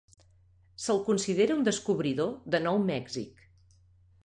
Se'l considera un descobridor de Nou Mèxic.